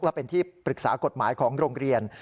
และเป็นที่ปรึกษากฎหมายของโรงเรียน